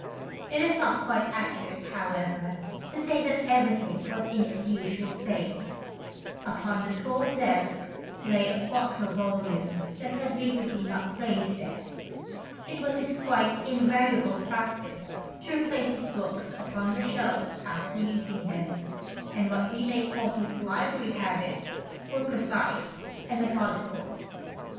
It is not quite accurate, however, to say that everything was in its usual state. Upon the tall desk lay a quarto volume that he had certainly not placed there. It was his quite invariable practice to replace his books upon the shelves after using them, and what we may call his library habits were precise and methodical.